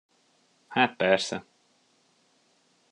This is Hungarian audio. Hát persze.